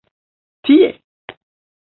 Tie?